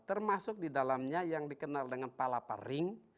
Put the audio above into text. termasuk di dalamnya yang dikenal dengan palapa ring